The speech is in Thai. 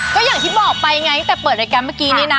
ก็อย่างที่บอกไปไงตั้งแต่เปิดรายการเมื่อกี้นี่นะ